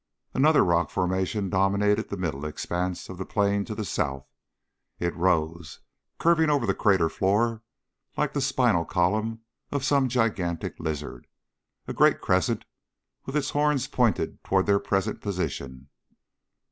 Another rock formation dominated the middle expanse of the plain to the south. It rose, curving over the crater floor like the spinal column of some gigantic lizard a great crescent with its horns pointed toward their present position.